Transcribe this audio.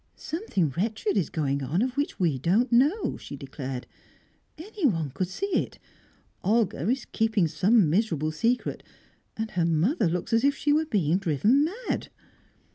"Something wretched is going on of which we don't know," she declared. "Anyone could see it. Olga is keeping some miserable secret, and her mother looks as if she were being driven mad."